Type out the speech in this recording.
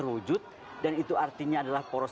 wujud dan itu artinya adalah poros